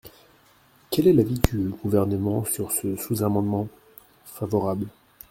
Quel est l’avis du Gouvernement sur ce sous-amendement ? Favorable.